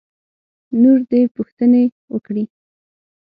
نور دې پوښتنې وکړي.